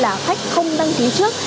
là khách không đăng ký trước